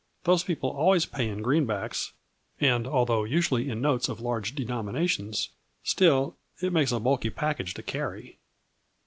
Those people always pay in greenbacks, and, although usually in notes of large denomi nations, still it makes a bulky package to carry.